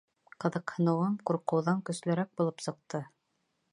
Ҡыҙыҡһыныуым ҡурҡыуҙан көслөрәк булып сыҡты.